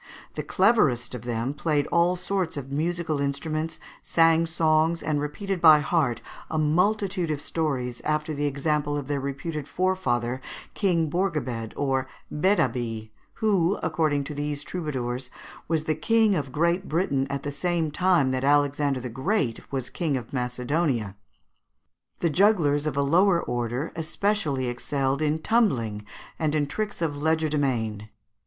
The cleverest of them played all sorts of musical instruments, sung songs, and repeated by heart a multitude of stories, after the example of their reputed forefather, King Borgabed, or Bédabie, who, according to these troubadours, was King of Great Britain at the time that Alexander the Great was King of Macedonia. The jugglers of a lower order especially excelled in tumbling and in tricks of legerdemain (Figs. 169 and 170).